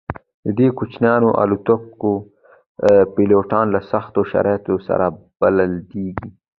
د دې کوچنیو الوتکو پیلوټان له سختو شرایطو سره بلدیږي